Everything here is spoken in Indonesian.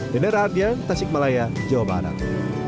denda radian tasik malaya jawa barat